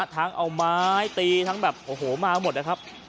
ทั้งเอาไม้ตีทั้งแบบโอ้โหมาหมดนะครับ